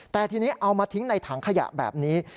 แต่ทีนี้เอามาทิ้งในถังขยะแบบนี้